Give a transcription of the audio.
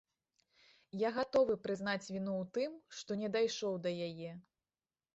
Я гатовы прызнаць віну ў тым, што не дайшоў да яе.